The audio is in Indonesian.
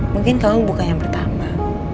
mungkin kamu buka yang pertama